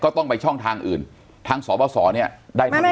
ต้องไปช่องทางอื่นทางสบสเนี่ยได้ทันที